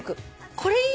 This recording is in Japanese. これいいね。